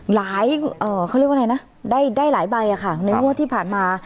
หลายเขาเรียกว่าอะไรนะได้หลายใบค่ะในงวดที่ผ่านมา